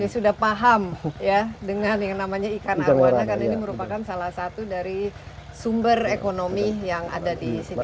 sudah paham ya dengan yang namanya ikan arowana karena ini merupakan salah satu dari sumber ekonomi yang ada di sini